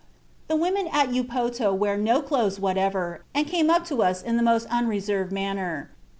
"The women at Upoto wear no clothes whatever, and came up to us in the most unreserved manner.